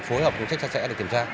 phối hợp công chức sạch sẽ để kiểm tra